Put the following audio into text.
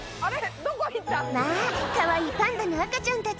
まあ、かわいいパンダの赤ちゃんたち。